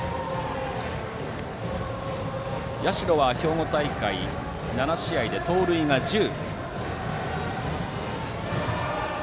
社は兵庫大会７試合で盗塁が１０。